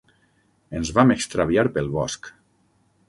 Ens vam extraviar pel bosc.